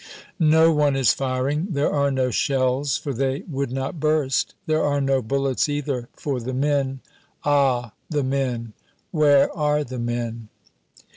No one is firing. There are no shells, for they would not burst. There are no bullets, either, for the men Ah, the men! Where are the men?